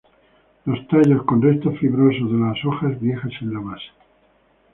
Los tallos con restos fibrosos de las hojas viejas en la base.